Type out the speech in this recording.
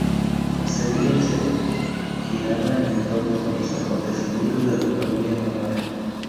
La serie giraba en torno a los acontecimientos de la familia Navarro.